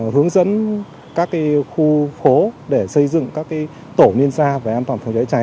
hướng dẫn các khu phố để xây dựng các tổ nguyên gia về an toàn phòng cháy cháy